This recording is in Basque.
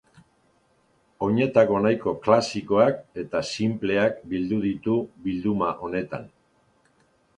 Oinetako nahiko klasikoak eta sinpleak bildu ditu bilduma honetan.